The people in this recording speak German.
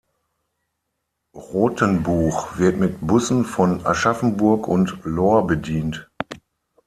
Rothenbuch wird mit Bussen von Aschaffenburg und Lohr bedient.